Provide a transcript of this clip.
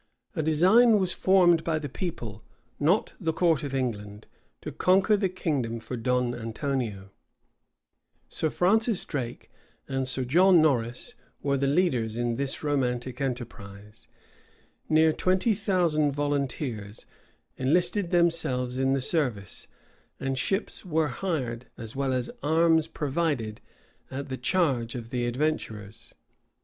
A design was formed by the people, not the court of England, to conquer the kingdom for Don Antonio: Sir Francis Drake and Sir John Norris were the leaders in this romantic enterprise: near twenty thousand volunteers[*] enlisted themselves in the service: and ships were hired, as well as arms provided, at the charge of the adventurers.